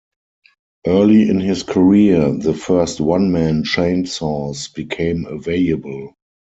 Early in his career, the first one-man chainsaws became available.